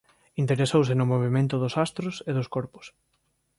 Interesouse no movemento dos astros e dos corpos.